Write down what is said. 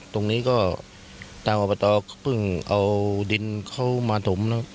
ตรงนี้ก็ตังความประตอบเพิ่งเอาดินเข้ามาถมแล้ว